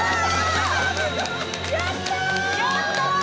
やったー！